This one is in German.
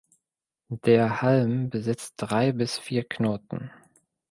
Der Halm besitzt drei bis vier Knoten.